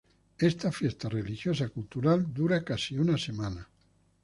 Esta fiesta religiosa-cultural dura casi una semana.